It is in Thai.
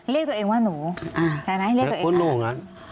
เรียกตัวเองว่าหนูใช่ไหมเรียกตัวเอง